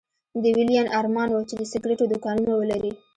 د ويلين ارمان و چې د سګرېټو دوکانونه ولري.